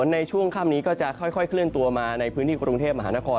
ในช่วงค่ำนี้ก็จะค่อยเคลื่อนตัวมาในพื้นที่กรุงเทพมหานคร